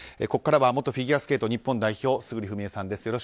ここからは元フィギュアスケート日本代表村主章枝さんです。